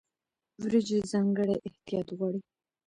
وریجې ځانګړی احتیاط غواړي.